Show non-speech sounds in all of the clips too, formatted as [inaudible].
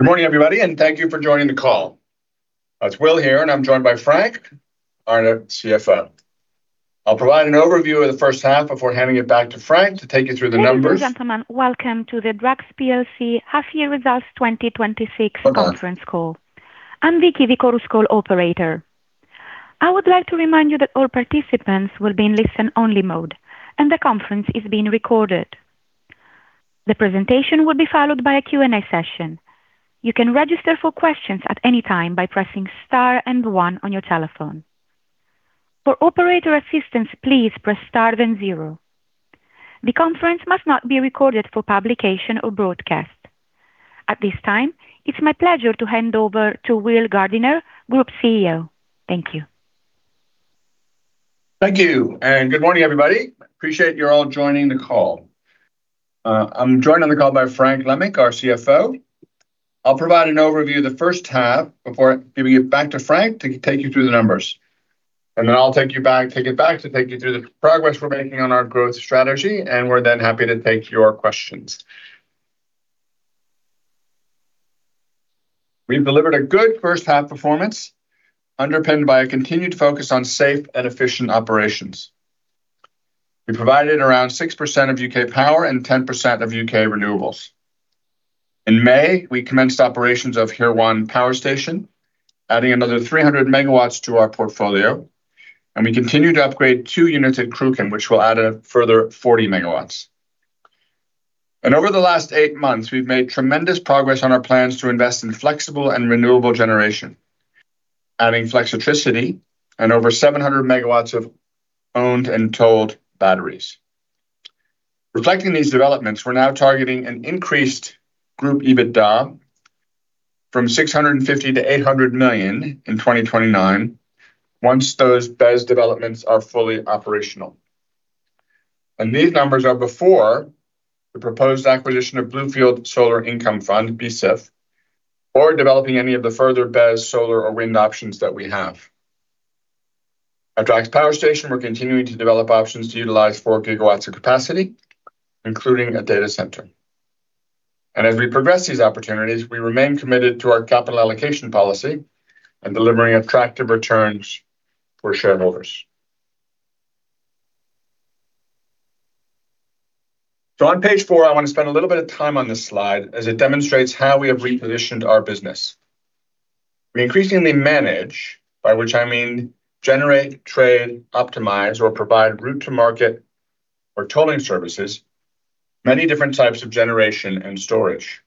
Good morning, everybody, thank you for joining the call. It's Will here, and I'm joined by Frank, our CFO. I'll provide an overview of the H1 before handing it back to Frank to take you through the numbers. Ladies and gentlemen, welcome to the Drax Group plc Half Year Results 2026 conference call. I'm Vicky, the Conference Call Operator. I would like to remind you that all participants will be in listen-only mode, and the conference is being recorded. The presentation will be followed by a Q&A session. You can register for questions at any time by pressing star and one on your telephone. For operator assistance, please press star then zero. The conference must not be recorded for publication or broadcast. At this time, it's my pleasure to hand over to Will Gardiner, Group CEO. Thank you. Thank you. Good morning, everybody. Appreciate you all joining the call. I am joined on the call by Frank Lemmink, our CFO. I will provide an overview of the H1 before giving it back to Frank to take you through the numbers. Then I will take it back to take you through the progress we are making on our growth strategy. We are then happy to take your questions. We have delivered a good H1 performance, underpinned by a continued focus on safe and efficient operations. We provided around 6% of U.K. power and 10% of U.K. renewables. In May, we commenced operations of Hirwaun Power Station, adding another 300 MW to our portfolio. We continue to upgrade two units at Cruachan, which will add a further 40 MW. Over the last eight months, we have made tremendous progress on our plans to invest in flexible and renewable generation, adding Flexitricity and over 700 MW of owned and tolled batteries. Reflecting these developments, we are now targeting an increased group EBITDA from 650 million-800 million in 2029 once those BESS developments are fully operational. These numbers are before the proposed acquisition of Bluefield Solar Income Fund, BSIF, or developing any of the further BESS solar or wind options that we have. At Drax Power Station, we are continuing to develop options to utilize 4 GW of capacity, including a data center. As we progress these opportunities, we remain committed to our capital allocation policy and delivering attractive returns for shareholders. On page four, I want to spend a little bit of time on this slide as it demonstrates how we have repositioned our business. We increasingly manage, by which I mean generate, trade, optimize, or provide route to market or tolling services, many different types of generation and storage.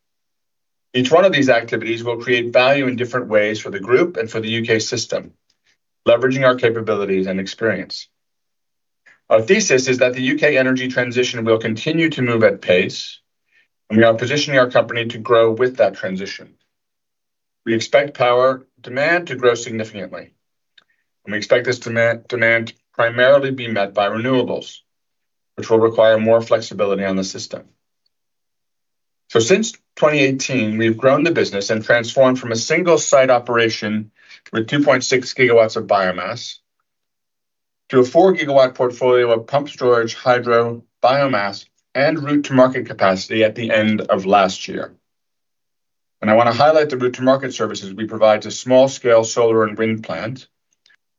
Each one of these activities will create value in different ways for the group and for the U.K. system, leveraging our capabilities and experience. Our thesis is that the U.K. energy transition will continue to move at pace. We are positioning our company to grow with that transition. We expect power demand to grow significantly. We expect this demand primarily be met by renewables, which will require more flexibility on the system. Since 2018, we have grown the business and transformed from a single-site operation with 2.6 GW of biomass to a 4 GW portfolio of pumped storage, hydro, biomass, and route to market capacity at the end of last year. I want to highlight the route to market services we provide to small-scale solar and wind plants,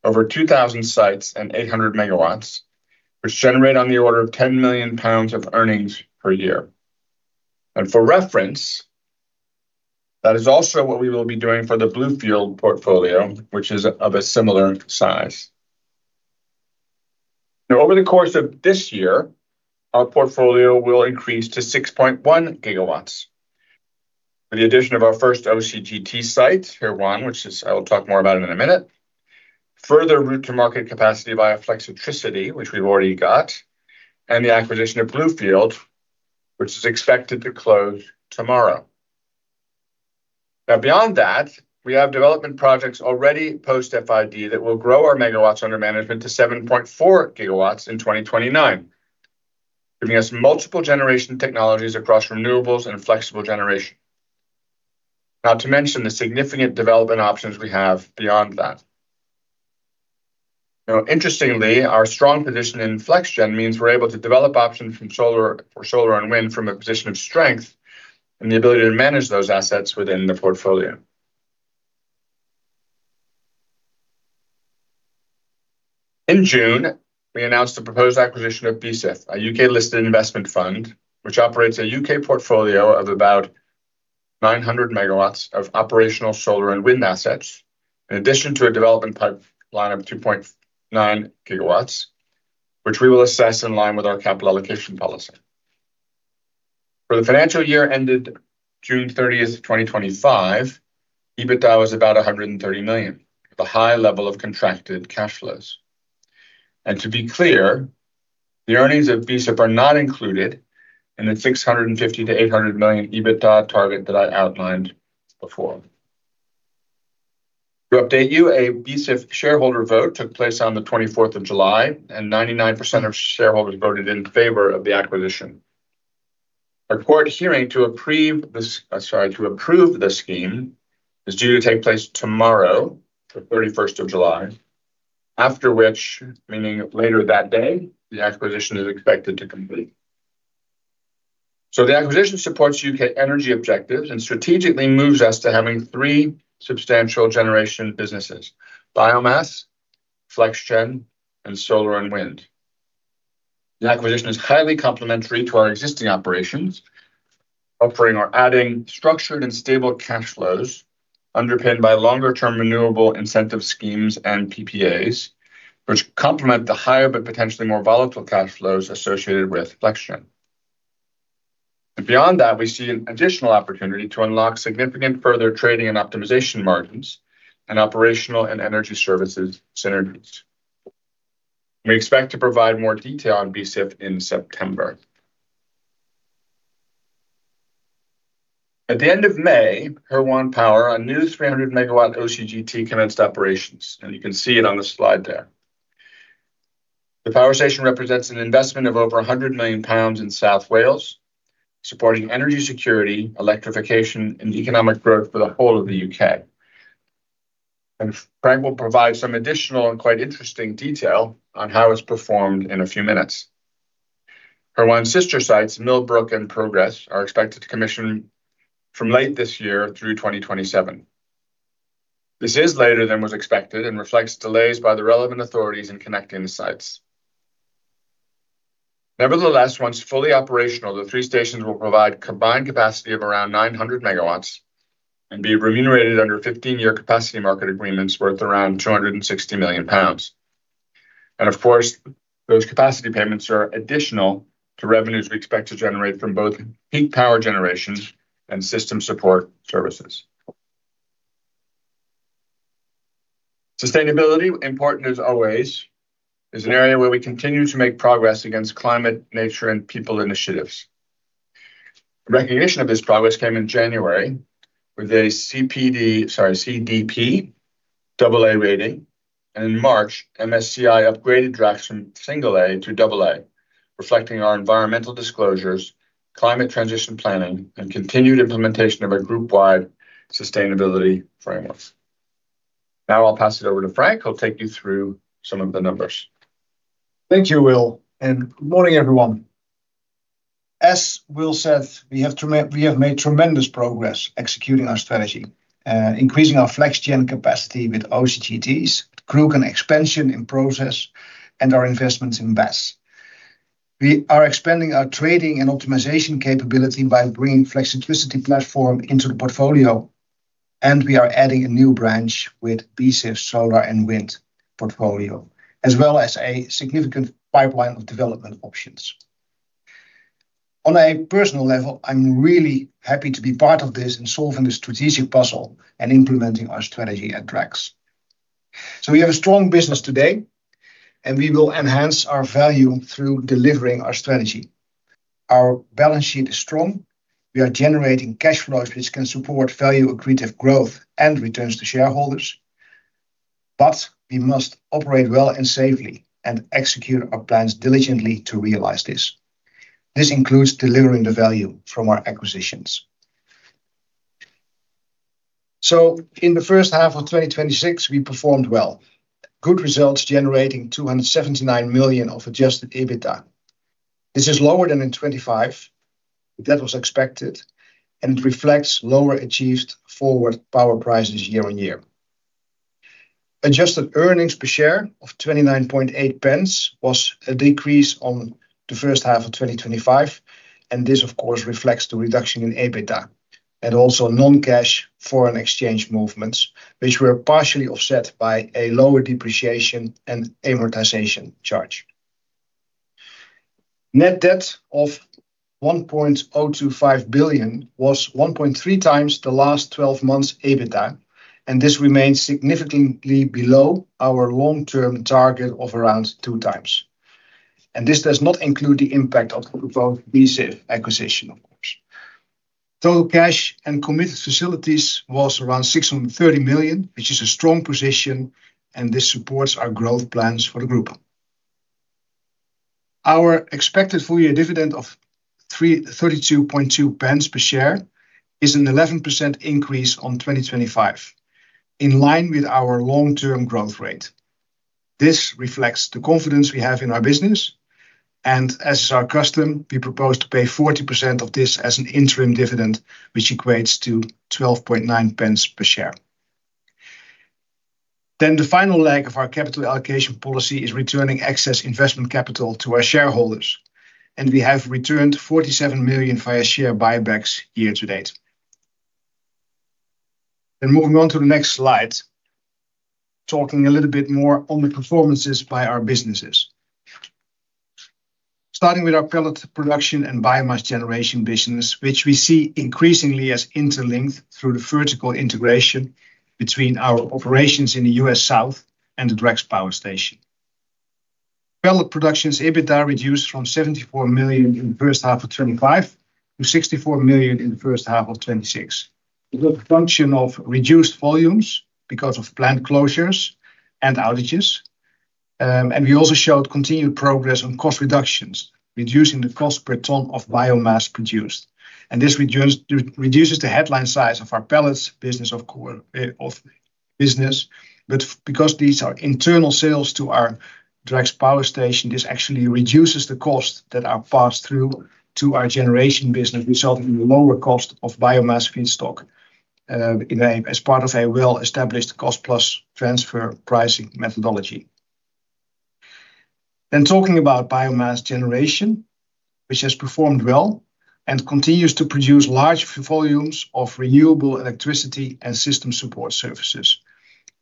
over 2,000 sites and 800 MW, which generate on the order of 10 million pounds of earnings per year. For reference, that is also what we will be doing for the Bluefield portfolio, which is of a similar size. Over the course of this year, our portfolio will increase to 6.1 GW with the addition of our first OCGT site, Hirwaun, which I will talk more about in a minute, further route to market capacity via Flexitricity, which we have already got, the acquisition of Bluefield, which is expected to close tomorrow. Beyond that, we have development projects already post FID that will grow our megawatts under management to 7.4 GW in 2029, giving us multiple generation technologies across renewables and flexible generation. Not to mention the significant development options we have beyond that. Interestingly, our strong position in Flexgen means we are able to develop options for solar and wind from a position of strength and the ability to manage those assets within the portfolio. In June, we announced the proposed acquisition of BSIF, a U.K.-listed investment fund, which operates a U.K. portfolio of about 900 MW of operational solar and wind assets, in addition to a development pipeline of 2.9 GW, which we will assess in line with our capital allocation policy. For the financial year ended June 30th, 2025, EBITDA was about 130 million with a high level of contracted cash flows. To be clear, the earnings of BSIF are not included in the 650 million-800 million EBITDA target that I outlined before. To update you, a BSIF shareholder vote took place on 24th of July, and 99% of shareholders voted in favor of the acquisition. A court hearing to approve the scheme is due to take place tomorrow, 31st July. After which, meaning later that day, the acquisition is expected to complete. The acquisition supports U.K. energy objectives and strategically moves us to having three substantial generation businesses: biomass, Flexgen, and solar and wind. The acquisition is highly complementary to our existing operations, offering or adding structured and stable cash flows underpinned by longer-term renewable incentive schemes and PPAs, which complement the higher but potentially more volatile cash flows associated with Flexgen. Beyond that, we see an additional opportunity to unlock significant further trading and optimization margins in operational and energy services synergies. We expect to provide more detail on BSIF in September. At the end of May, Hirwaun Power, a new 300 MW OCGT, commenced operations, and you can see it on the slide there. The power station represents an investment of over 100 million pounds in South Wales, supporting energy security, electrification, and economic growth for the whole of the U.K. Frank will provide some additional and quite interesting detail on how it's performed in a few minutes. Hirwaun's sister sites, Millbrook and Progress, are expected to commission from late this year through 2027. This is later than was expected and reflects delays by the relevant authorities in connecting the sites. Nevertheless, once fully operational, the three stations will provide a combined capacity of around 900 MW and be remunerated under 15-year Capacity Market agreements worth around 260 million pounds. Of course, those capacity payments are additional to revenues we expect to generate from both peak power generation and system support services. Sustainability, important as always, is an area where we continue to make progress against climate, nature, and people initiatives. Recognition of this progress came in January with a CDP AA rating, and in March, MSCI upgraded Drax from single A to double A, reflecting our environmental disclosures, climate transition planning, and continued implementation of our group-wide sustainability frameworks. I will pass it over to Frank, who will take you through some of the numbers. Thank you, Will, and morning, everyone. As Will said, we have made tremendous progress executing our strategy, increasing our Flexgen capacity with OCGTs, with Cruachan expansion in process, and our investments in BESS. We are expanding our trading and optimization capability by bringing Flexitricity platform into the portfolio, and we are adding a new branch with BSIF's solar and wind portfolio, as well as a significant pipeline of development options. On a personal level, I am really happy to be part of this in solving this strategic puzzle and implementing our strategy at Drax. We have a strong business today, and we will enhance our value through delivering our strategy. Our balance sheet is strong. We are generating cash flows, which can support value-accretive growth and returns to shareholders. We must operate well and safely and execute our plans diligently to realize this. This includes delivering the value from our acquisitions. In the H1 of 2026, we performed well. Good results, generating 279 million of adjusted EBITDA. This is lower than in 2025. That was expected, and it reflects lower achieved forward power prices year-on-year. Adjusted earnings per share of 0.298 was a decrease on the H1 of 2025, and this, of course, reflects the reduction in EBITDA and also non-cash foreign exchange movements, which were partially offset by a lower depreciation and amortization charge. Net debt of 1.025 billion was 1.3x the last 12 months' EBITDA, and this remains significantly below our long-term target of around 2x. This does not include the impact of the proposed BSIF acquisition, of course. Total cash and committed facilities was around 630 million, which is a strong position, and this supports our growth plans for the group. Our expected full-year dividend of 0.322 per share is an 11% increase on 2025, in line with our long-term growth rate. This reflects the confidence we have in our business. As is our custom, we propose to pay 40% of this as an interim dividend, which equates to 0.129 per share. The final leg of our capital allocation policy is returning excess investment capital to our shareholders, and we have returned 47 million via share buybacks year to date. Moving on to the next slide, talking a little bit more on the performances by our businesses. Starting with our pellet production and biomass generation business, which we see increasingly as interlinked through the vertical integration between our operations in the U.S. South and the Drax Power Station. Pellet production's EBITDA reduced from 74 million in the H1 of 2025 to 64 million in the H1 of 2026. It was a function of reduced volumes because of plant closures and outages. We also showed continued progress on cost reductions, reducing the cost per ton of biomass produced. This reduces the headline size of our pellets business. Because these are internal sales to our Drax Power Station, this actually reduces the cost that are passed through to our generation business, resulting in the lower cost of biomass feedstock, as part of a well-established cost plus transfer pricing methodology. Talking about biomass generation, which has performed well and continues to produce large volumes of renewable electricity and system support services,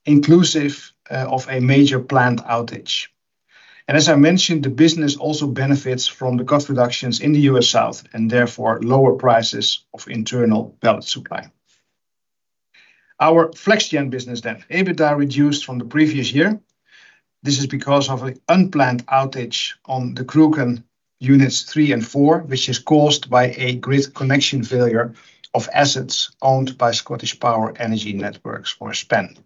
inclusive of a major planned outage. As I mentioned, the business also benefits from the cost reductions in the U.S. South, and therefore lower prices of internal pellet supply. Our Flexgen business, EBITDA reduced from the previous year. This is because of an unplanned outage on the Cruachan units three and four, which is caused by a grid connection failure of assets owned by ScottishPower Energy Networks or SPEN.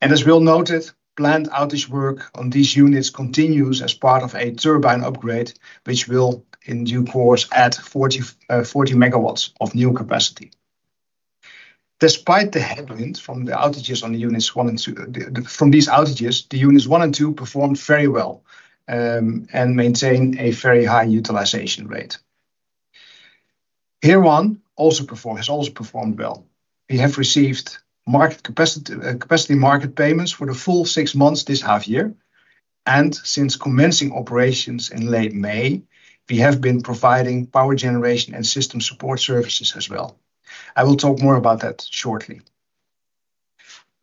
As we all noted, planned outage work on these units continues as part of a turbine upgrade, which will, in due course, add 40 MW of new capacity. Despite the headwinds from these outages, the units one and two performed very well and maintained a very high utilization rate. Hirwaun has also performed well. We have received Capacity Market payments for the full six months this half year, and since commencing operations in late May, we have been providing power generation and system support services as well. I will talk more about that shortly.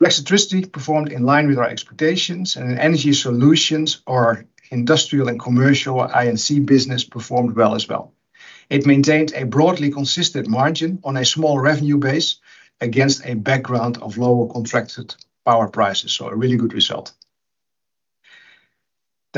Flexitricity performed in line with our expectations and Energy Solutions or Industrial and Commercial, I&C business, performed well as well. It maintained a broadly consistent margin on a small revenue base against a background of lower contracted power prices. A really good result.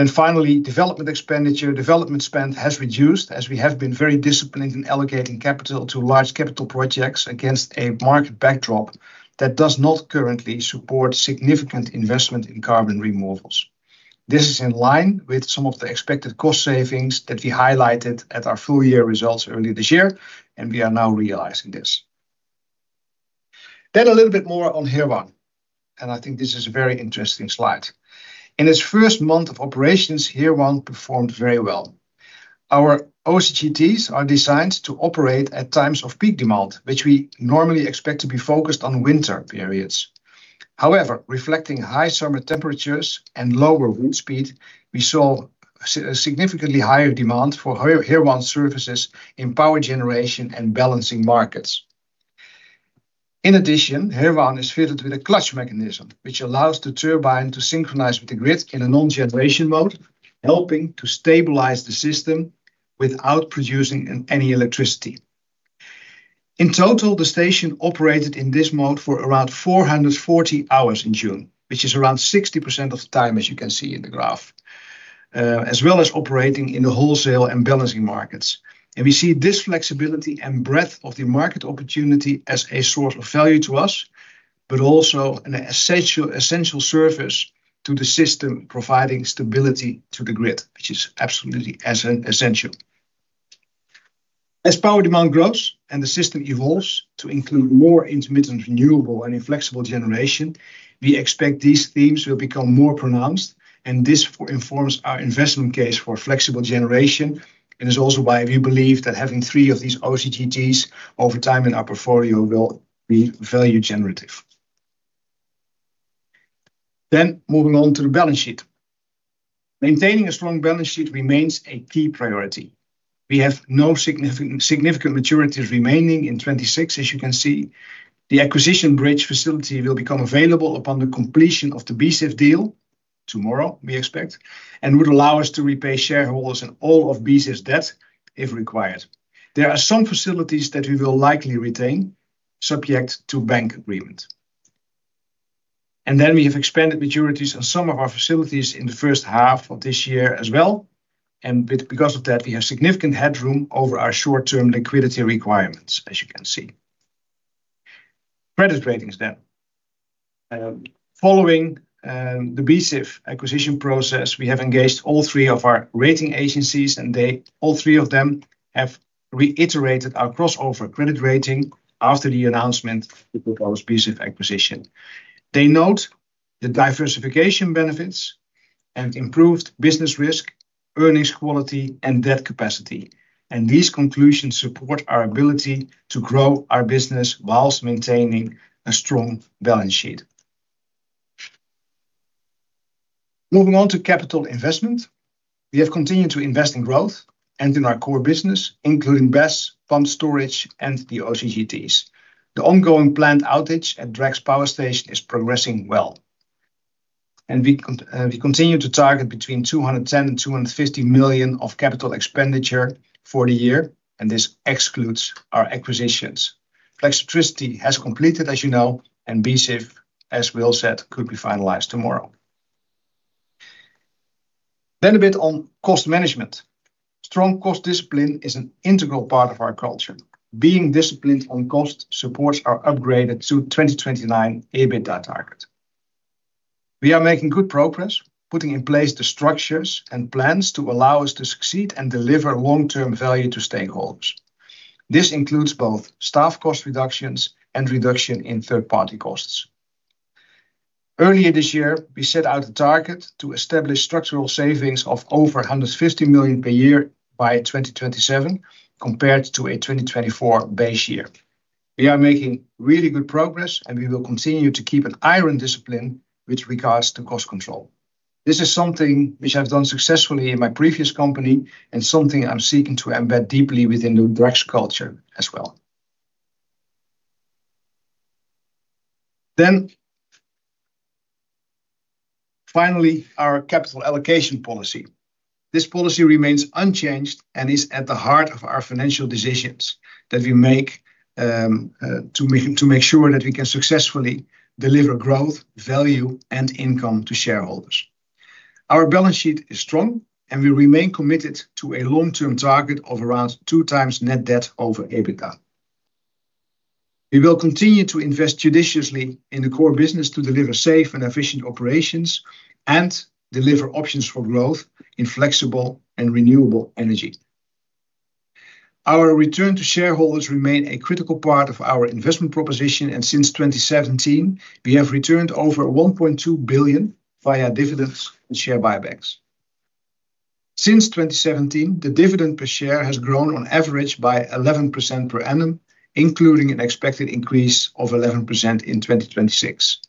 Finally, development expenditure. Development spend has reduced as we have been very disciplined in allocating capital to large capital projects against a market backdrop that does not currently support significant investment in carbon removals. This is in line with some of the expected cost savings that we highlighted at our full-year results early this year, and we are now realizing this. A little bit more on Hirwaun, and I think this is a very interesting slide. In its first month of operations, Hirwaun performed very well. Our OCGTs are designed to operate at times of peak demand, which we normally expect to be focused on winter periods. However, reflecting high summer temperatures and lower wind speed, we saw a significantly higher demand for Hirwaun's services in power generation and balancing markets. In addition, Hirwaun is fitted with a clutch mechanism, which allows the turbine to synchronize with the grid in a non-generation mode, helping to stabilize the system without producing any electricity. In total, the station operated in this mode for around 440 hours in June, which is around 60% of the time, as you can see in the graph, as well as operating in the wholesale and balancing markets. We see this flexibility and breadth of the market opportunity as a source of value to us, but also an essential service to the system, providing stability to the grid, which is absolutely essential. As power demand grows and the system evolves to include more intermittent renewable and inflexible generation, we expect these themes will become more pronounced, and this informs our investment case for flexible generation, and is also why we believe that having three of these OCGTs over time in our portfolio will be value-generative. Moving on to the balance sheet. Maintaining a strong balance sheet remains a key priority. We have no significant maturities remaining in 2026. As you can see, the acquisition bridge facility will become available upon the completion of the BSIF deal, tomorrow, we expect, and would allow us to repay shareholders and all of BSIF's debt if required. There are some facilities that we will likely retain, subject to bank agreement. We have expanded maturities on some of our facilities in the H1 of this year as well. Because of that, we have significant headroom over our short-term liquidity requirements, as you can see. Credit ratings. Following the BSIF acquisition process, we have engaged all three of our rating agencies, and all three of them have reiterated our crossover credit rating after the announcement of the proposed BSIF acquisition. They note the diversification benefits and improved business risk, earnings quality, and debt capacity. These conclusions support our ability to grow our business whilst maintaining a strong balance sheet. Moving on to capital investment. We have continued to invest in growth and in our core business, including BESS, pumped storage, and the OCGTs. The ongoing planned outage at Drax Power Station is progressing well. We continue to target between 210 million and 250 million of capital expenditure for the year, and this excludes our acquisitions. Flexitricity has completed, as you know, and BSIF, as Will said, could be finalized tomorrow. A bit on cost management. Strong cost discipline is an integral part of our culture. Being disciplined on cost supports our upgraded to 2029 EBITDA target. We are making good progress, putting in place the structures and plans to allow us to succeed and deliver long-term value to stakeholders. This includes both staff cost reductions and reduction in third-party costs. Earlier this year, we set out a target to establish structural savings of over 150 million per year by 2027 compared to a 2024 base year. We are making really good progress, and we will continue to keep an iron discipline with regards to cost control. This is something which I've done successfully in my previous company and something I'm seeking to embed deeply within the Drax culture as well. Finally, our capital allocation policy. This policy remains unchanged and is at the heart of our financial decisions that we make to make sure that we can successfully deliver growth, value, and income to shareholders. Our balance sheet is strong, and we remain committed to a long-term target of around 2x net debt over EBITDA. We will continue to invest judiciously in the core business to deliver safe and efficient operations and deliver options for growth in flexible and renewable energy. Our return to shareholders remain a critical part of our investment proposition, and since 2017, we have returned over 1.2 billion via dividends and share buybacks. Since 2017, the dividend per share has grown on average by 11% per annum, including an expected increase of 11% in 2026.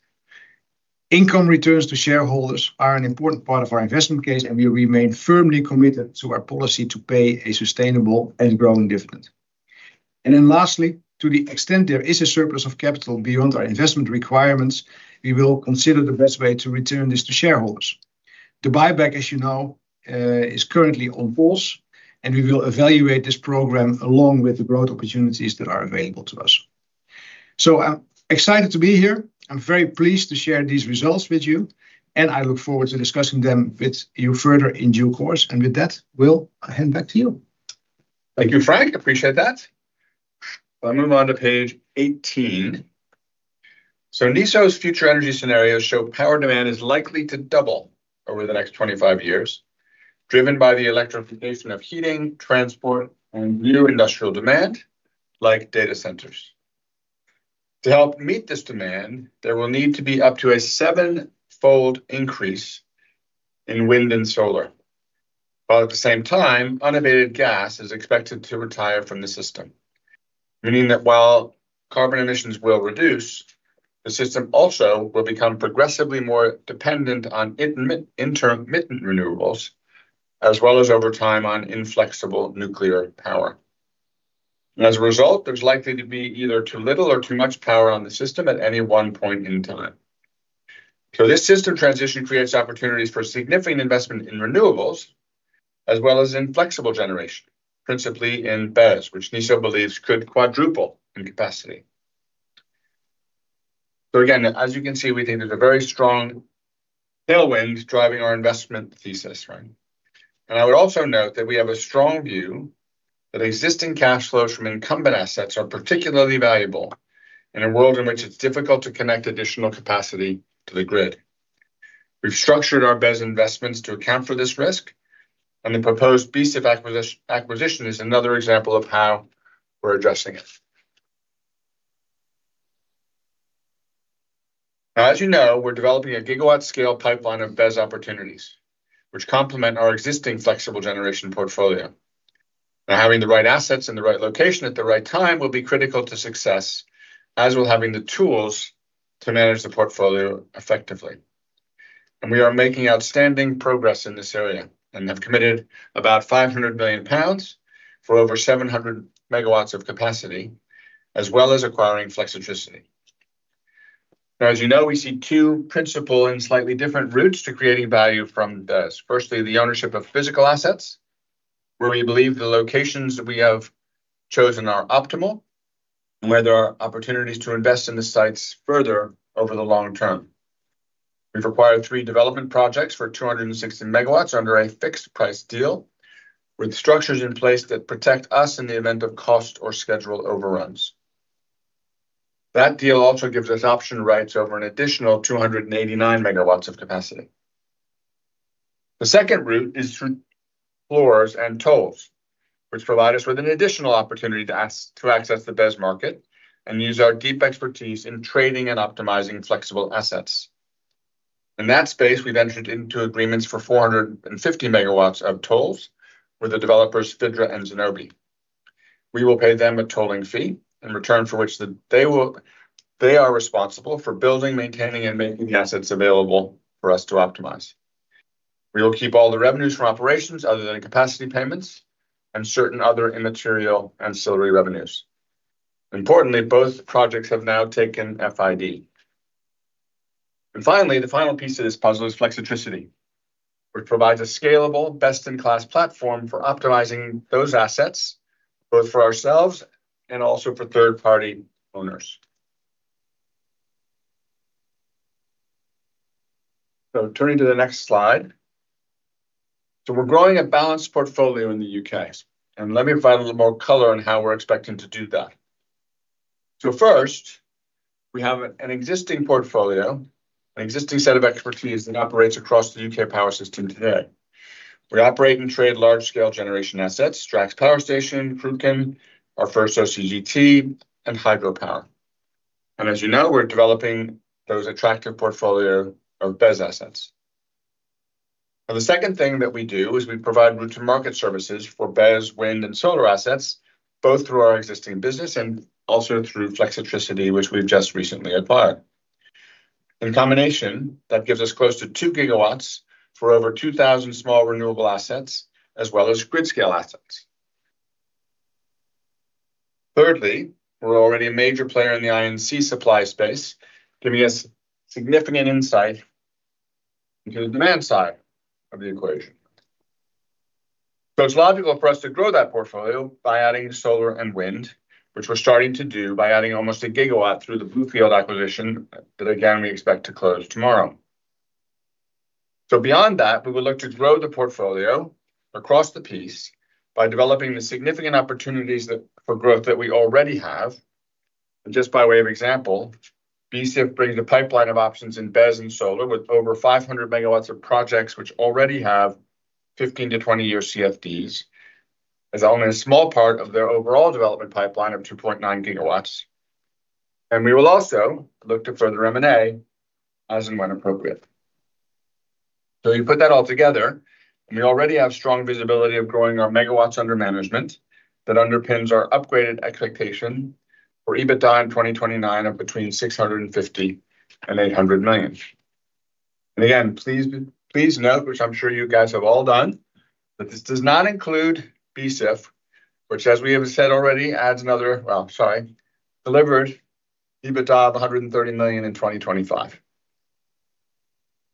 Income returns to shareholders are an important part of our investment case, and we remain firmly committed to our policy to pay a sustainable and growing dividend. Lastly, to the extent there is a surplus of capital beyond our investment requirements, we will consider the best way to return this to shareholders. The buyback, as you know, is currently on pause, and we will evaluate this program along with the growth opportunities that are available to us. I'm excited to be here. I'm very pleased to share these results with you, and I look forward to discussing them with you further in due course. With that, Will, I hand back to you. Thank you, Frank. Appreciate that. If I move on to page 18. NESO's future energy scenarios show power demand is likely to double over the next 25 years, driven by the electrification of heating, transport, and new industrial demand, like data centers. To help meet this demand, there will need to be up to a seven-fold increase in wind and solar. While at the same time, unabated gas is expected to retire from the system, meaning that while carbon emissions will reduce, the system also will become progressively more dependent on intermittent renewables, as well as over time on inflexible nuclear power. As a result, there's likely to be either too little or too much power on the system at any one point in time. This system transition creates opportunities for significant investment in renewables, as well as in flexible generation, principally in BESS, which NESO believes could quadruple in capacity. Again, as you can see, we think there's a very strong tailwind driving our investment thesis. I would also note that we have a strong view that existing cash flows from incumbent assets are particularly valuable in a world in which it's difficult to connect additional capacity to the grid. We've structured our BESS investments to account for this risk, and the proposed BSIF acquisition is another example of how we're addressing it. As you know, we're developing a gigawatt-scale pipeline of BESS opportunities, which complement our existing flexible generation portfolio. Having the right assets in the right location at the right time will be critical to success, as will having the tools to manage the portfolio effectively. We are making outstanding progress in this area and have committed about 500 million pounds for over 700 MW of capacity, as well as acquiring Flexitricity. As you know, we see two principal and slightly different routes to creating value from BESS. Firstly, the ownership of physical assets, where we believe the locations that we have chosen are optimal and where there are opportunities to invest in the sites further over the long term. We've acquired three development projects for 260 MW under a fixed price deal with structures in place that protect us in the event of cost or schedule overruns. That deal also gives us option rights over an additional 289 MW of capacity. The second route is through floors and tolls, which provide us with an additional opportunity to access the BESS market and use our deep expertise in trading and optimizing flexible assets. In that space, we've entered into agreements for 450 MW of tolls with the developers Fidra and Zenobe. We will pay them a tolling fee in return for which they are responsible for building, maintaining, and making the assets available for us to optimize. We will keep all the revenues from operations other than capacity payments and certain other immaterial ancillary revenues. Importantly, both projects have now taken FID. Finally, the final piece of this puzzle is Flexitricity, which provides a scalable, best-in-class platform for optimizing those assets, both for ourselves and also for third-party owners. Turning to the next slide. We're growing a balanced portfolio in the U.K. Let me provide a little more color on how we're expecting to do that. First, we have an existing portfolio, an existing set of expertise that operates across the U.K. power system today. We operate and trade large-scale generation assets, Drax Power Station, [inaudible] our first OCGT, and hydropower. As you know, we're developing those attractive portfolio of BESS assets. The second thing that we do is we provide route to market services for BESS, wind, and solar assets, both through our existing business and also through Flexitricity, which we've just recently acquired. In combination, that gives us close to 2 GW for over 2,000 small renewable assets as well as grid-scale assets. Thirdly, we're already a major player in the I&C supply space, giving us significant insight into the demand side of the equation. It's logical for us to grow that portfolio by adding solar and wind, which we're starting to do by adding almost 1 GW through the Bluefield acquisition that again, we expect to close tomorrow. Beyond that, we will look to grow the portfolio across the piece by developing the significant opportunities for growth that we already have. Just by way of example, BSIF brings a pipeline of options in BESS and solar with over 500 MW of projects, which already have 15-20-year CFDs. It's only a small part of their overall development pipeline of 2.9 GW. We will also look to further M&A as and when appropriate. You put that all together, and we already have strong visibility of growing our megawatts under management that underpins our upgraded expectation for EBITDA in 2029 of between 650 million-800 million. Again, please note, which I'm sure you guys have all done, that this does not include BSIF, which as we have said already, adds another, sorry, delivered EBITDA of 130 million in 2025.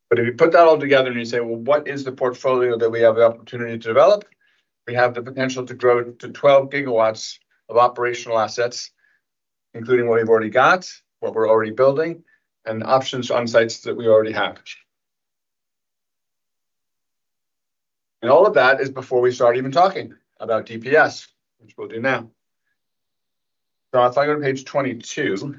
If you put that all together and you say, "What is the portfolio that we have the opportunity to develop?" We have the potential to grow to 12 GW of operational assets, including what we've already got, what we're already building, and options on sites that we already have. All of that is before we start even talking about DPS, which we'll do now. If I go to page 22.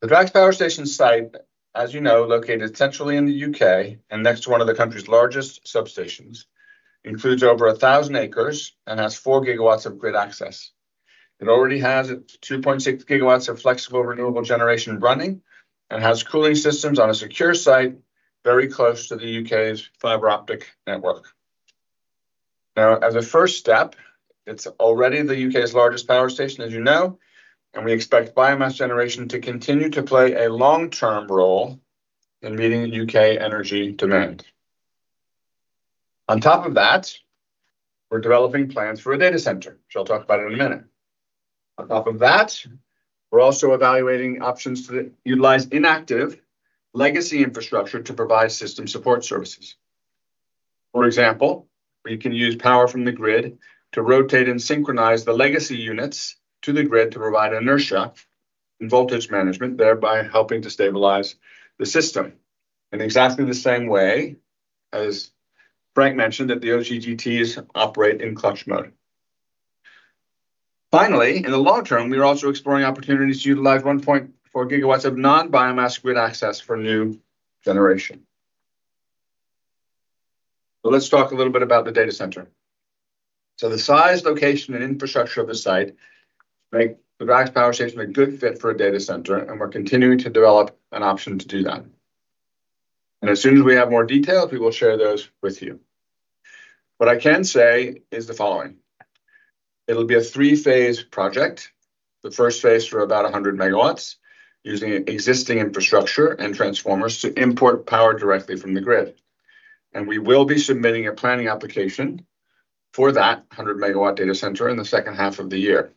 The Drax Power Station site, as you know, located centrally in the U.K. and next to one of the country's largest substations, includes over 1,000 acres and has 4 GW of grid access. It already has 2.6 GW of flexible renewable generation running and has cooling systems on a secure site very close to the U.K.'s fiber-optic network. As a first step, it's already the U.K.'s largest power station, as you know, and we expect biomass generation to continue to play a long-term role in meeting U.K. energy demand. On top of that, we're developing plans for a data center, which I'll talk about in a minute. On top of that, we're also evaluating options to utilize inactive legacy infrastructure to provide system support services. For example, we can use power from the grid to rotate and synchronize the legacy units to the grid to provide inertia and voltage management, thereby helping to stabilize the system in exactly the same way as Frank mentioned that the OCGTs operate in clutch mode. Finally, in the long term, we are also exploring opportunities to utilize 1.4 GW of non-biomass grid access for new generation. Let's talk a little bit about the data center. The size, location, and infrastructure of the site make the Drax Power Station a good fit for a data center, and we're continuing to develop an option to do that. As soon as we have more details, we will share those with you. What I can say is the following: It'll be a three-phase project. The first phase for about 100 MW, using existing infrastructure and transformers to import power directly from the grid. We will be submitting a planning application for that 100 MW data center in the H2 of the year.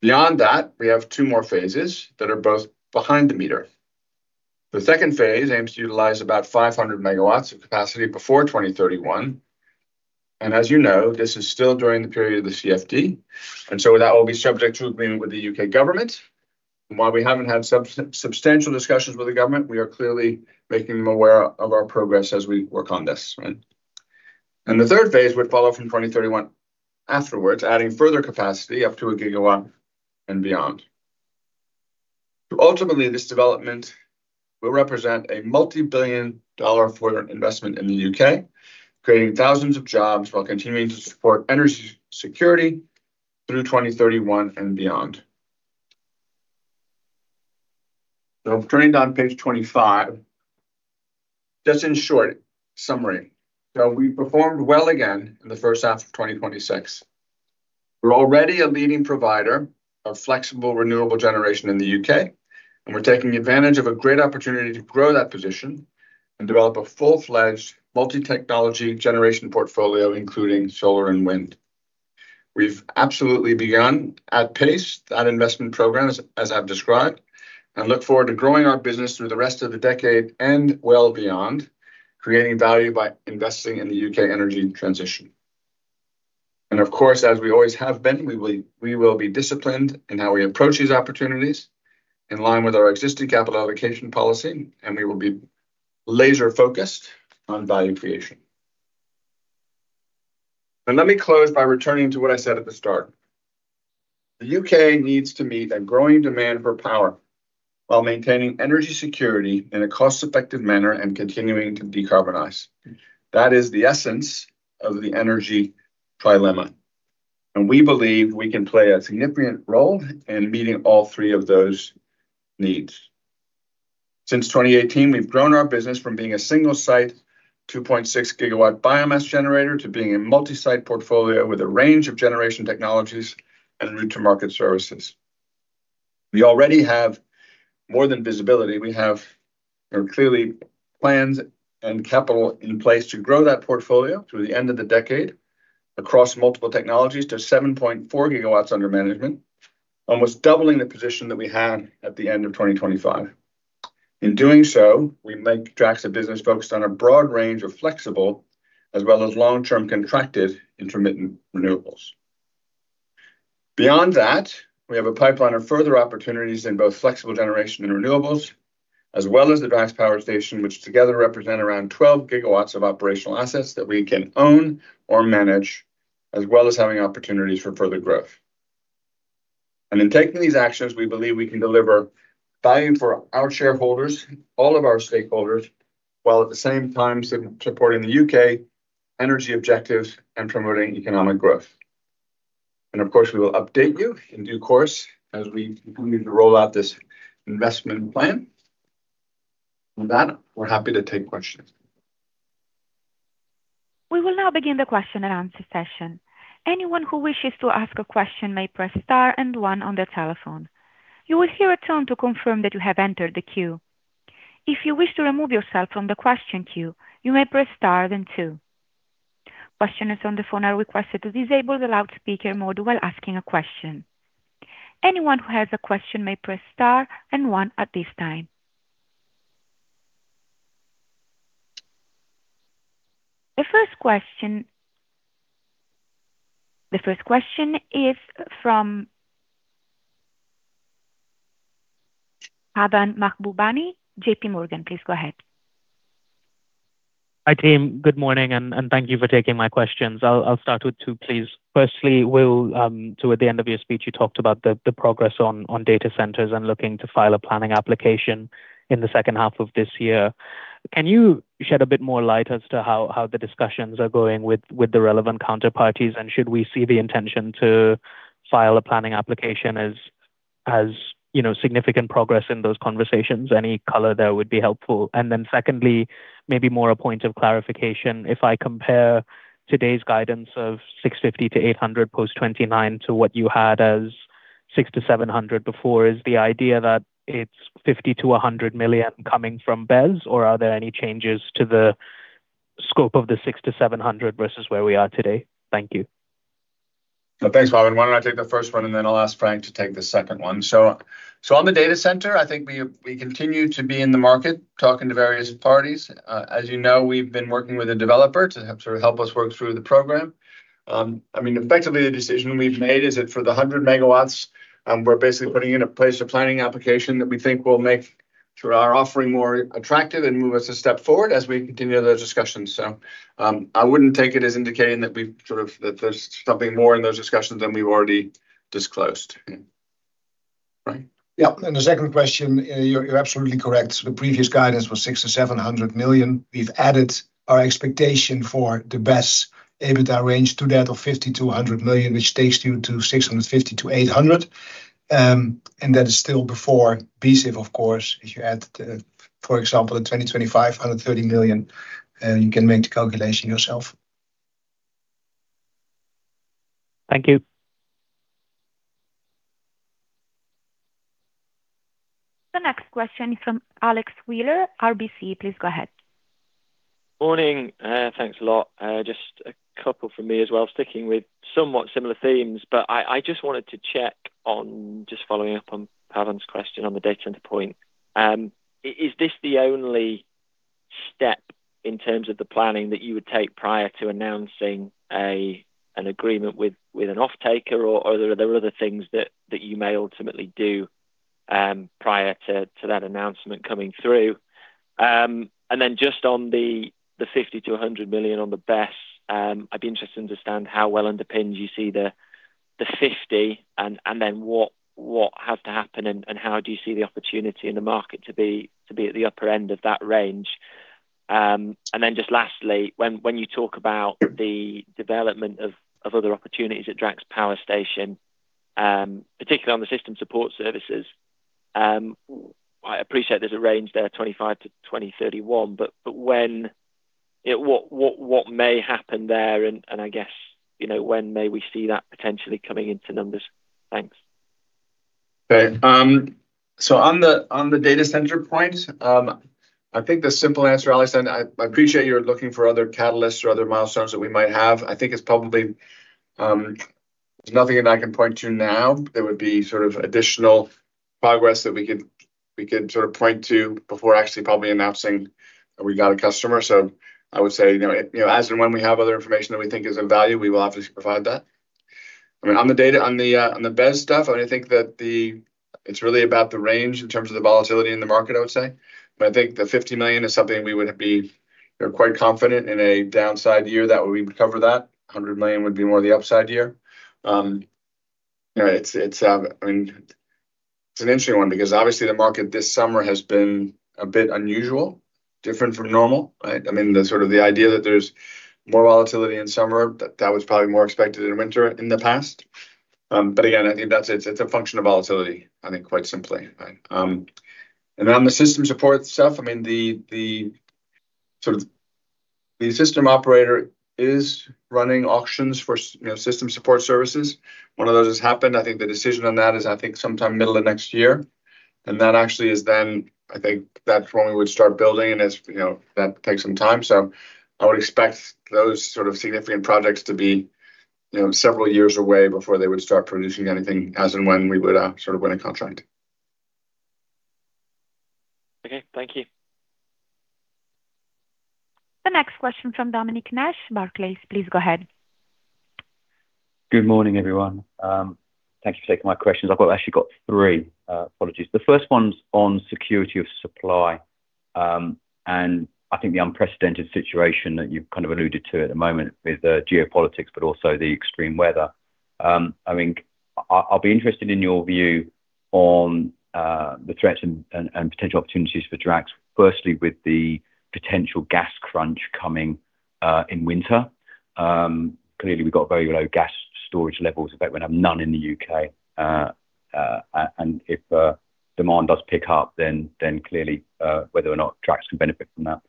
Beyond that, we have two more phases that are both behind the meter. The second phase aims to utilize about 500 MW of capacity before 2031. As you know, this is still during the period of the CFD, and so that will be subject to agreement with the U.K. government. While we haven't had substantial discussions with the government, we are clearly making them aware of our progress as we work on this, right? The third phase would follow from 2031 afterwards, adding further capacity up to 1 GW and beyond. Ultimately, this development will represent a multibillion-dollar investment in the U.K., creating thousands of jobs while continuing to support energy security through 2031 and beyond. Turning to on page 25. Just in short summary. We performed well again in the H1 of 2026. We're already a leading provider of flexible renewable generation in the U.K., and we're taking advantage of a great opportunity to grow that position and develop a full-fledged multi-technology generation portfolio, including solar and wind. We've absolutely begun at pace that investment program, as I've described, and look forward to growing our business through the rest of the decade and well beyond, creating value by investing in the U.K. energy transition. Of course, as we always have been, we will be disciplined in how we approach these opportunities in line with our existing capital allocation policy, and we will be laser-focused on value creation. Let me close by returning to what I said at the start. The U.K. needs to meet a growing demand for power while maintaining energy security in a cost-effective manner and continuing to decarbonize. That is the essence of the energy trilemma. We believe we can play a significant role in meeting all three of those needs. Since 2018, we've grown our business from being a single site, 2.6 GW biomass generator, to being a multi-site portfolio with a range of generation technologies and route to market services. We already have more than visibility. We have, clearly, plans and capital in place to grow that portfolio through the end of the decade across multiple technologies to 7.4 GW under management, almost doubling the position that we had at the end of 2025. In doing so, we make Drax a business focused on a broad range of flexible as well as long-term contracted intermittent renewables. Beyond that, we have a pipeline of further opportunities in both flexible generation and renewables, as well as the Drax Power Station, which together represent around 12 GW of operational assets that we can own or manage, as well as having opportunities for further growth. In taking these actions, we believe we can deliver value for our shareholders, all of our stakeholders, while at the same time supporting the U.K. energy objectives and promoting economic growth. Of course, we will update you in due course as we continue to roll out this investment plan. On that, we're happy to take questions. We will now begin the question-and-answer session. Anyone who wishes to ask a question may press star and one on their telephone. You will hear a tone to confirm that you have entered the queue. If you wish to remove yourself from the question queue, you may press star then two. Questioners on the phone are requested to disable the loudspeaker mode while asking a question. Anyone who has a question may press star and one at this time. The first question is from Pavan Mahbubani, JPMorgan. Please go ahead. Hi, team. Good morning. Thank you for taking my questions. I'll start with two, please. Firstly, Will, toward the end of your speech, you talked about the progress on data centers and looking to file a planning application in the H2 of this year. Can you shed a bit more light as to how the discussions are going with the relevant counterparties? Should we see the intention to file a planning application as significant progress in those conversations? Any color there would be helpful. Then secondly, maybe more a point of clarification. If I compare today's guidance of 650 million-800 million post-2029 to what you had as 600 million-700 million before, is the idea that it's 50 million-100 million coming from BESS? Or are there any changes to the scope of the 600 million-700 million versus where we are today? Thank you. Thanks, Pavan. Why don't I take the first one, and then I'll ask Frank to take the second one. On the data center, I think we continue to be in the market talking to various parties. As you know, we've been working with a developer to help us work through the program. Effectively, the decision we've made is that for the 100 MW, we're basically putting into place a planning application that we think will make our offering more attractive and move us a step forward as we continue those discussions. I wouldn't take it as indicating that there's something more in those discussions than we've already disclosed. Frank? The second question, you're absolutely correct. The previous guidance was 600 million to 700 million. We've added our expectation for the BESS EBITDA range to that of 50 million-100 million, which takes you to 650 million to 800 million. That is still before BSIF, of course. If you add, for example, the 2025, 130 million, you can make the calculation yourself. Thank you. The next question is from Alex Wheeler, RBC. Please go ahead. Morning. Thanks a lot. Just a couple from me as well, sticking with somewhat similar themes. I just wanted to check on, just following up on Pavan's question on the data center point. Is this the only step in terms of the planning that you would take prior to announcing an agreement with an offtaker? Or are there other things that you may ultimately do prior to that announcement coming through? Then just on the 50 million to 100 million on the BESS, I'd be interested to understand how well underpinned you see the 50 million and then what has to happen and how do you see the opportunity in the market to be at the upper end of that range? Then just lastly, when you talk about the development of other opportunities at Drax Power Station, particularly on the system support services, I appreciate there's a range there of 2025-2031, but what may happen there, and I guess, when may we see that potentially coming into numbers? Thanks. Okay. On the data center point, I think the simple answer, Alex, and I appreciate you're looking for other catalysts or other milestones that we might have. There's nothing that I can point to now that would be additional progress that we could point to before actually probably announcing that we got a customer. I would say, as and when we have other information that we think is of value, we will obviously provide that. On the BESS stuff, I think that it's really about the range in terms of the volatility in the market, I would say. But I think the 50 million is something we would be quite confident in a downside year that we would cover that. 100 million would be more the upside year. It's an interesting one because obviously the market this summer has been a bit unusual, different from normal, right? The idea that there's more volatility in summer, that was probably more expected in winter in the past. Again, I think that it's a function of volatility, I think quite simply. Right. On the system support stuff, the system operator is running auctions for system support services. One of those has happened. I think the decision on that is sometime middle of next year. That actually is then, that's when we would start building and that takes some time. I would expect those sort of significant projects to be several years away before they would start producing anything, as and when we would win a contract. Okay. Thank you. The next question from Dominic Nash, Barclays. Please go ahead. Good morning, everyone. Thank you for taking my questions. I've actually got three. Apologies. The first one's on security of supply. I think the unprecedented situation that you've kind of alluded to at the moment with the geopolitics, but also the extreme weather. I'll be interested in your view on the threats and potential opportunities for Drax. Firstly, with the potential gas crunch coming in winter. Clearly, we've got very low gas storage levels. In fact, we have none in the U.K. If demand does pick up, then clearly whether or not Drax can benefit from that.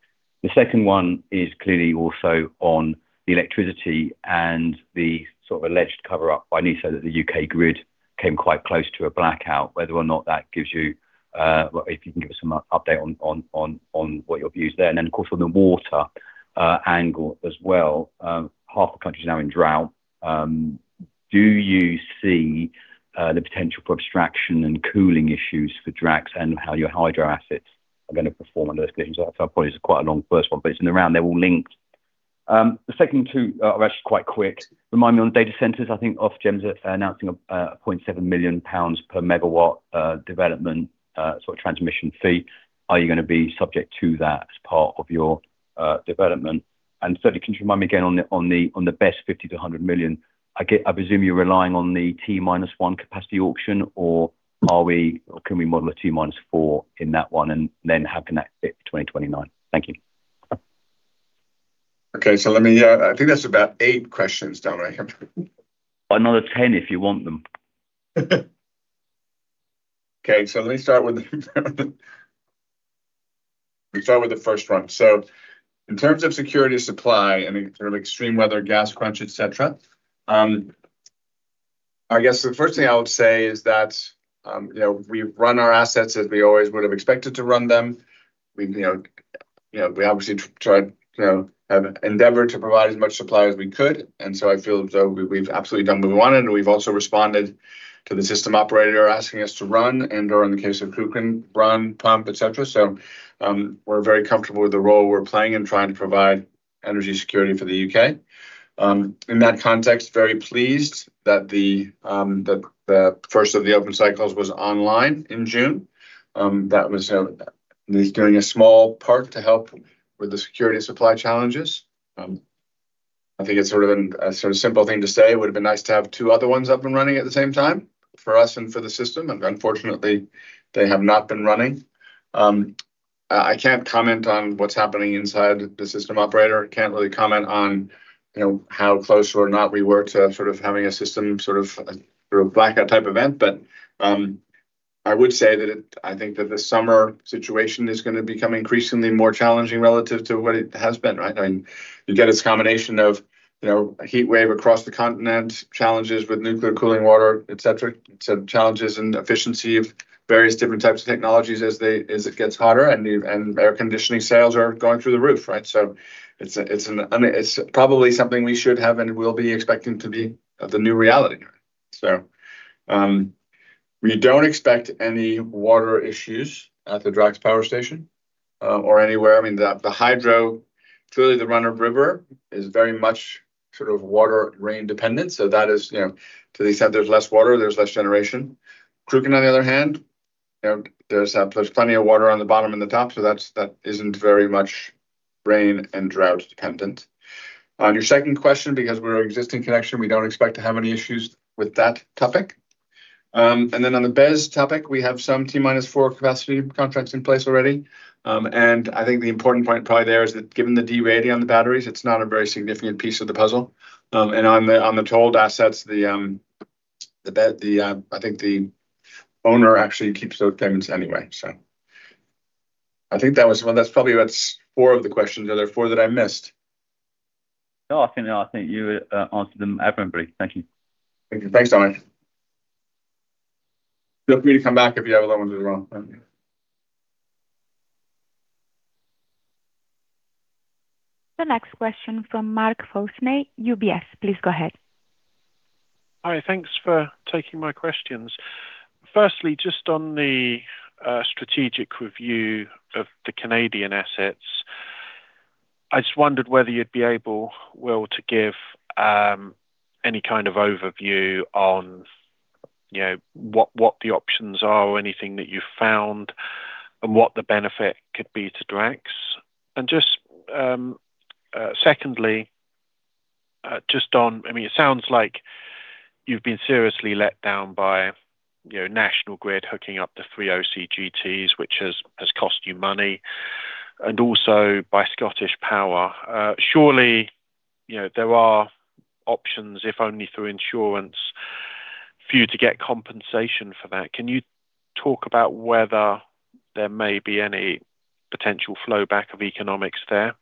The second one is clearly also on the electricity and the sort of alleged cover-up by NESO that the U.K. grid came quite close to a blackout. Whether or not that gives you, if you can give us some update on what your view is there. Then, of course, from the water angle as well. Half the country is now in drought. Do you see the potential for abstraction and cooling issues for Drax and how your hydro assets are going to perform under those conditions? That probably is quite a long first one, but they're all linked. The second two are actually quite quick. Remind me on data centers, I think Ofgem's announcing a 7 million pounds per MW development transmission fee. Are you going to be subject to that as part of your development? Sorry, can you remind me again on the BESS 50 million-100 million? I presume you're relying on the T-1 Capacity Market auction or can we model a T-4 in that one and then how can that fit for 2029? Thank you. Okay. I think that's about eight questions, Dominic. Another 10 if you want them. Okay. Let me start with the first one. In terms of security of supply, any sort of extreme weather, gas crunch, et cetera. I guess the first thing I would say is that we've run our assets as we always would have expected to run them. We obviously try, have endeavored to provide as much supply as we could. I feel as though we've absolutely done what we wanted and we've also responded to the system operator asking us to run and/or in the case of Cruachan, run pump, et cetera. We're very comfortable with the role we're playing in trying to provide energy security for the U.K. In that context, very pleased that the first of the open cycles was online in June. That was doing a small part to help with the security of supply challenges. I think it's a sort of simple thing to say. It would have been nice to have two other ones up and running at the same time for us and for the system. Unfortunately, they have not been running. I can't comment on what's happening inside the system operator. Can't really comment on how close or not we were to having a system sort of a blackout type event. I would say that I think that the summer situation is going to become increasingly more challenging relative to what it has been, right? You get this combination of heat wave across the continent, challenges with nuclear cooling water, et cetera. Challenges in efficiency of various different types of technologies as it gets hotter and air conditioning sales are going through the roof, right? It's probably something we should have and will be expecting to be the new reality. We don't expect any water issues at the Drax power station or anywhere. The hydro, clearly the run-of-river is very much water, rain dependent. To the extent there's less water, there's less generation. Cruachan, on the other hand, there's plenty of water on the bottom and the top. That isn't very much rain and drought dependent. On your second question, because we're an existing connection, we don't expect to have any issues with that topic. Then on the BESS topic, we have some T-4 capacity contracts in place already. I think the important point probably there is that given the derating on the batteries, it's not a very significant piece of the puzzle. On the tolled assets, I think the owner actually keeps those payments anyway. I think that's probably about four of the questions. Are there four that I missed? No. I think you answered them evidently. Thank you. Thank you. Thanks, Dominic. Feel free to come back if you have other ones as well. The next question from Mark Folsom, UBS. Please go ahead. Hi. Thanks for taking my questions. Firstly, just on the strategic review of the Canadian assets, I just wondered whether you'd be able, Will, to give any kind of overview on what the options are or anything that you've found, and what the benefit could be to Drax Group. Just secondly, it sounds like you've been seriously let down by National Grid hooking up the three OCGTs, which has cost you money, also by ScottishPower. Surely, there are options, if only through insurance, for you to get compensation for that. Can you talk about whether there may be any potential flow back of economics there?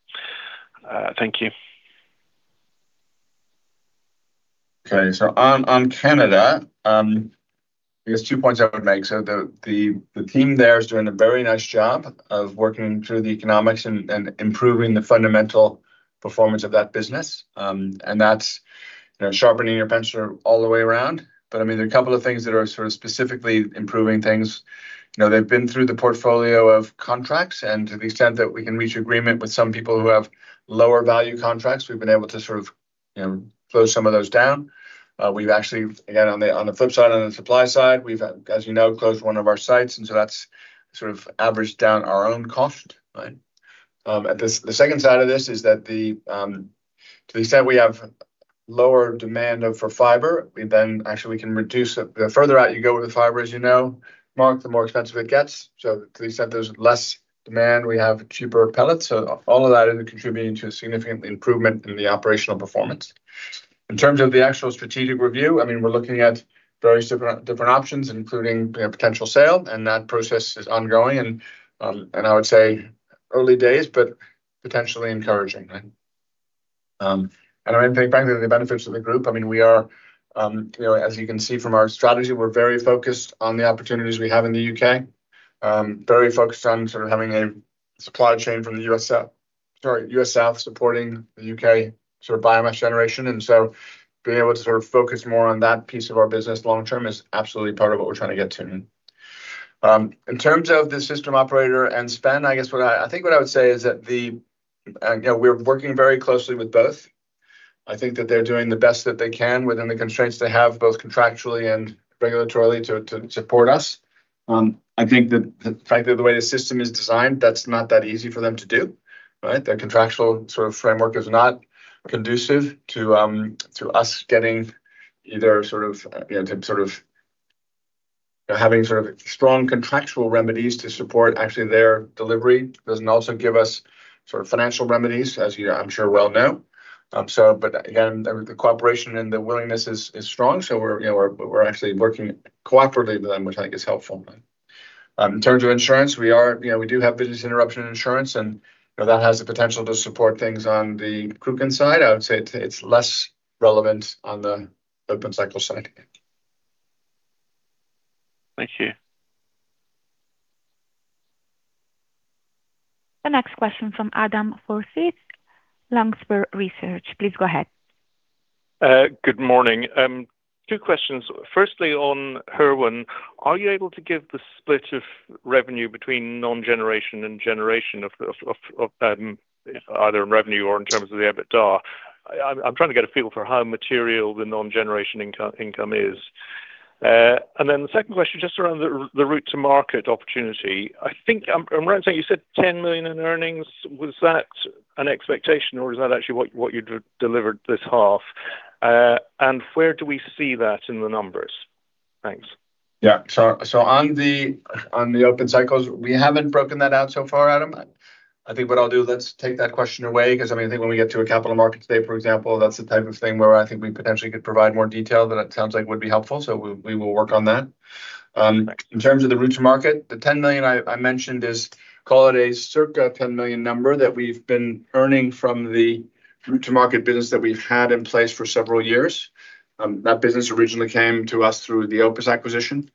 Thank you. Okay. On Canada, I guess two points I would make. The team there is doing a very nice job of working through the economics and improving the fundamental performance of that business. That's sharpening your pencil all the way around. There are a couple of things that are sort of specifically improving things. They've been through the portfolio of contracts, to the extent that we can reach agreement with some people who have lower value contracts, we've been able to sort of close some of those down. We've actually, again, on the flip side, on the supply side, we've, as you know, closed one of our sites, that's sort of averaged down our own cost. Right? The second side of this is that to the extent we have lower demand for fiber, we then actually can reduce it. The further out you go with the fiber, as you know, Mark, the more expensive it gets. To the extent there's less demand, we have cheaper pellets. All of that is contributing to a significant improvement in the operational performance. In terms of the actual strategic review, we're looking at various different options, including potential sale, that process is ongoing, I would say early days, but potentially encouraging. I think frankly, the benefits to the group, as you can see from our strategy, we're very focused on the opportunities we have in the U.K. Very focused on sort of having a supply chain from the U.S. South supporting the U.K. sort of biomass generation. Being able to sort of focus more on that piece of our business long term is absolutely part of what we're trying to get to. In terms of the system operator and spend, I think what I would say is that we're working very closely with both. I think that they're doing the best that they can within the constraints they have, both contractually and regulatorily to support us. I think that the fact that the way the system is designed, that's not that easy for them to do. Right? The contractual sort of framework is not conducive to us getting either sort of having strong contractual remedies to support actually their delivery. Doesn't also give us sort of financial remedies, as I'm sure we all know. Again, the cooperation and the willingness is strong. We're actually working cooperatively with them, which I think is helpful. In terms of insurance, we do have business interruption insurance, and that has the potential to support things on the Cruachan side. I would say it's less relevant on the open cycle side. Thank you. The next question from Adam Forsyth, Longspur Research. Please go ahead. Good morning. Two questions. Firstly, on Hirwaun, are you able to give the split of revenue between non-generation and generation, either in revenue or in terms of the EBITDA? I'm trying to get a feel for how material the non-generation income is. The second question, just around the route to market opportunity. I think, am I right in saying you said 10 million in earnings? Was that an expectation or is that actually what you delivered this half? Where do we see that in the numbers? Thanks. Yeah. On the open cycles, we haven't broken that out so far, Adam. I think what I'll do, let's take that question away, because I think when we get to a capital market today, for example, that's the type of thing where I think we potentially could provide more detail that it sounds like would be helpful. We will work on that. In terms of the route to market, the 10 million I mentioned is, call it a circa 10 million number that we've been earning from the route to market business that we've had in place for several years. That business originally came to us through the Opus acquisition.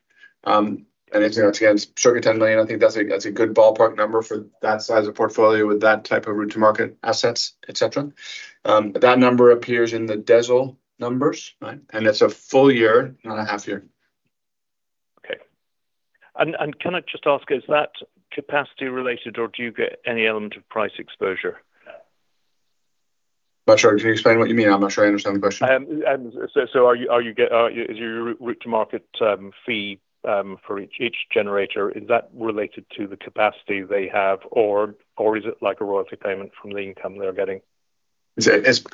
Again, it's circa 10 million. I think that's a good ballpark number for that size of portfolio with that type of route to market assets, et cetera. That number appears in the DESL numbers. Right? That's a full-year, not a half year. Okay. Can I just ask, is that capacity related, or do you get any element of price exposure? Not sure. Can you explain what you mean? I'm not sure I understand the question. Is your route to market fee for each generator, is that related to the capacity they have or is it like a royalty payment from the income they're getting? Basically,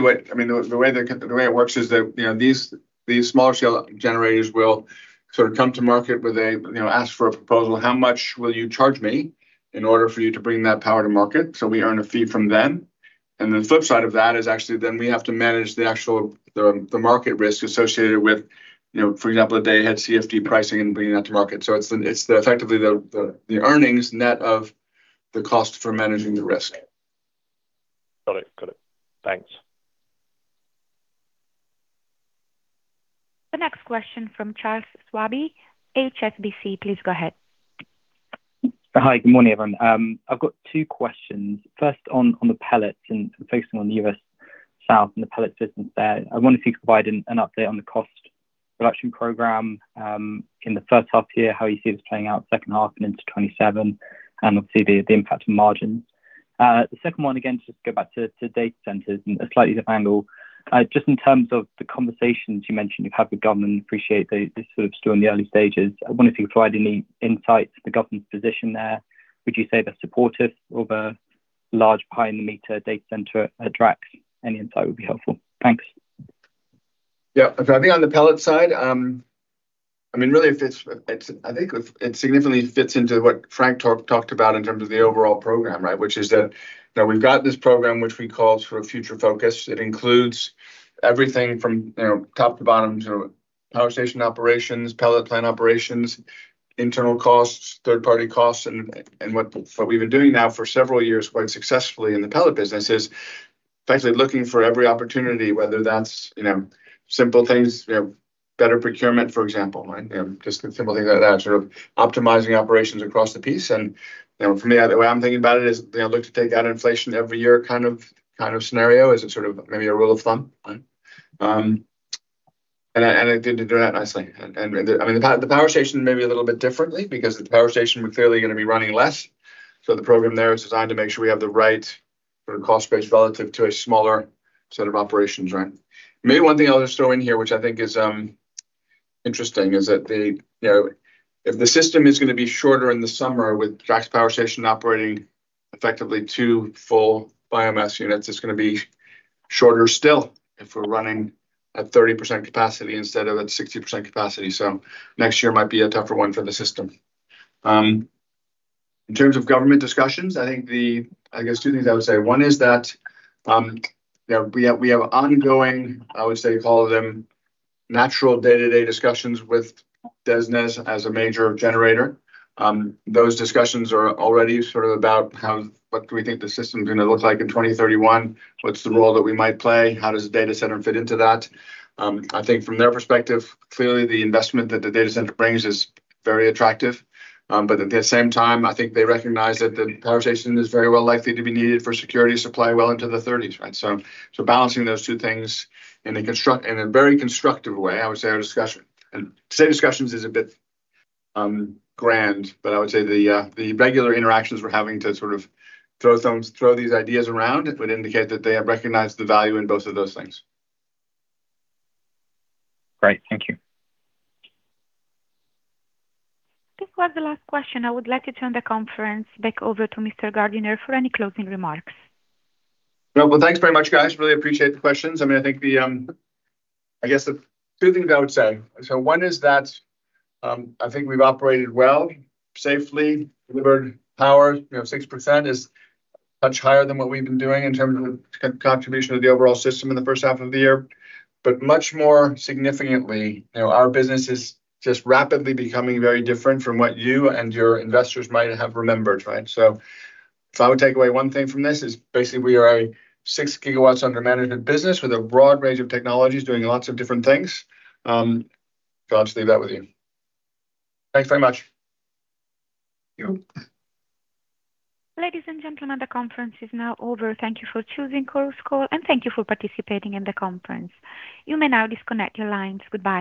the way it works is that these smaller shell generators will sort of come to market where they ask for a proposal, "How much will you charge me in order for you to bring that power to market?" We earn a fee from them. The flip side of that is actually then we have to manage the actual market risk associated with, for example, day ahead CFD pricing and bringing that to market. It's effectively the earnings net of the cost for managing the risk. Got it. Thanks. The next question from Charles Swabey, HSBC. Please go ahead. Hi. Good morning, everyone. I've got two questions. First, on the pellets and focusing on the U.S. South and the pellets business there. I wonder if you could provide an update on the cost reduction program, in the H1 year, how you see this playing out H2 and into 2027, and obviously the impact on margins. The second one, again, just to go back to data centers and a slightly different angle. Just in terms of the conversations you mentioned you've had with government, appreciate that this is still in the early stages. I wonder if you could provide any insights into the government's position there. Would you say they're supportive of a large behind-the-meter data center at Drax? Any insight would be helpful. Thanks. Yeah. I think on the pellet side, I think it significantly fits into what Frank talked about in terms of the overall program, right? Which is that we've got this program, which we call Future Focus. It includes everything from top to bottom, power station operations, pellet plant operations, internal costs, third-party costs. What we've been doing now for several years quite successfully in the pellet business is effectively looking for every opportunity, whether that's simple things, better procurement, for example, right? Just simple things like that, sort of optimizing operations across the piece. For me, the way I'm thinking about it is look to take out inflation every year kind of scenario as a sort of maybe a rule of thumb, right? I did that nicely. The power station may be a little bit differently because the power station, we're clearly going to be running less. The program there is designed to make sure we have the right sort of cost base relative to a smaller set of operations, right? Maybe one thing I'll just throw in here, which I think is interesting, is that if the system is going to be shorter in the summer with Drax Power Station operating effectively two full biomass units, it's going to be shorter still if we're running at 30% capacity instead of at 60% capacity. Next year might be a tougher one for the system. In terms of government discussions, I guess two things I would say. One is that, we have ongoing, I would say call them natural day-to-day discussions with NESO as a major generator. Those discussions are already sort of about what do we think the system's going to look like in 2031? What's the role that we might play? How does the data center fit into that? I think from their perspective, clearly the investment that the data center brings is very attractive. At the same time, I think they recognize that the power station is very well likely to be needed for security of supply well into the 2030s, right? Balancing those two things in a very constructive way, I would say our discussion. To say discussions is a bit grand, but I would say the regular interactions we're having to sort of throw these ideas around would indicate that they have recognized the value in both of those things. Great. Thank you. This was the last question. I would like to turn the conference back over to Mr. Gardiner for any closing remarks. Well, thanks very much, guys. Really appreciate the questions. One is that, I think we've operated well, safely delivered power. 6% is much higher than what we've been doing in terms of contribution to the overall system in the H1 of the year. Much more significantly, our business is just rapidly becoming very different from what you and your investors might have remembered, right? If I would take away one thing from this, it's basically we are a 6 GW under management business with a broad range of technologies doing lots of different things. I'll just leave that with you. Thanks very much. Thank you. Ladies and gentlemen, the conference is now over. Thank you for choosing Chorus Call, and thank you for participating in the conference. You may now disconnect your lines. Goodbye.